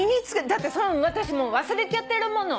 だって私もう忘れちゃってるもの。